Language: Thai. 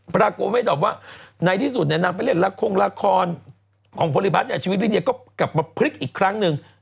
ปรากฏว่าไม่ดรอปว่าในที่สุดนางไปเรียกละโคงละครของพลิพัฒน์ชีวิตลิเดียก็กลับมาพลิกอีกครั้งหนึ่ง